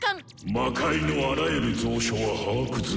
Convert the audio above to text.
魔界のあらゆる蔵書は把握済みだ。